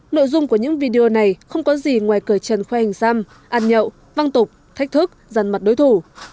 nội dung của những video này không có gì ngoài cờ chân khoai hình xăm ăn nhậu văng tục thách thức dằn mặt đối thủ